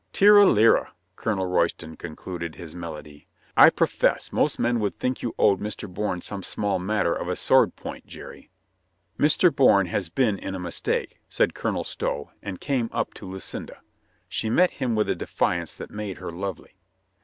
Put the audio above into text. "Tira lira," Colonel Royston concluded his mel ody. "L profess most men would think you owed Mr. Bourne some small matter of a sword point, Jerry." "Mr. Bourne has been in a mistake," said Colonel Stow, and came up to Lucinda. She met him with a defiance that made her lovely.